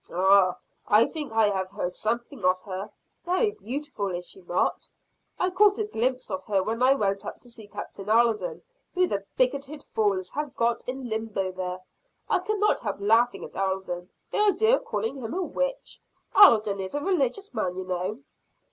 "Ah! I think I have heard something of her very beautiful, is she not? I caught a glimpse of her when I went up to see Captain Alden, who the bigoted fools have got in limbo there. I could not help laughing at Alden the idea of calling him a witch. Alden is a religious man, you know!"